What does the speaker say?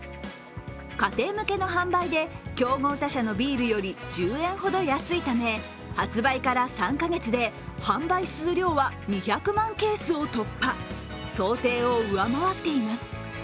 家庭向けの販売で、競合他社のビールより１０円ほど安いため発売から３か月で販売数量は２００万ケースを突破、想定を上回っています。